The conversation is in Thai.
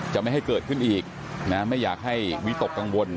ไม่ให้เกิดขึ้นอีกนะไม่อยากให้วิตกกังวล